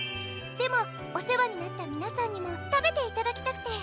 でもおせわになったみなさんにもたべていただきたくて。